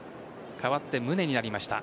代わって宗になりました。